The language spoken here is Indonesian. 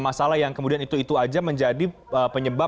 masalah yang kemudian itu itu aja menjadi penyebab